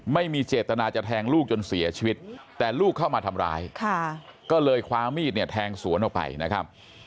ไม่มีเจตนาจะแทงลูกจนเสียชีวิตแต่ลูกเข้ามาทำร้ายก็เลยคว้ามีดเนี่ยแทงสวนออกไปนะครับ